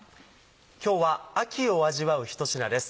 今日は秋を味わう一品です。